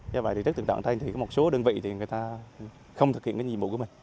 do vậy thì trước thời gian thay thì có một số đơn vị thì người ta không thực hiện cái nhiệm vụ của mình